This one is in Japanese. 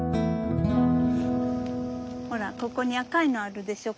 ほらここに赤いのあるでしょ